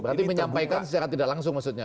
berarti menyampaikan secara tidak langsung maksudnya